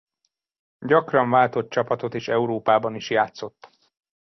Gyakran váltott csapatot és Európában is játszott.